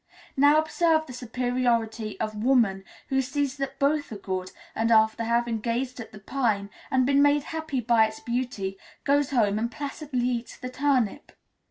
Now observe the superiority of woman, who sees that both are good, and after having gazed at the pine and been made happy by its beauty, goes home and placidly eats the turnip.